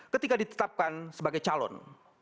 ketika ditetapkan sebagai calon